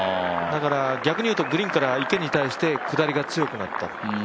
だから、逆にいうとグリーンから池に対して下りがきつくなった。